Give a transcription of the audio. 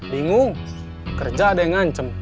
bingung kerja ada yang ngancem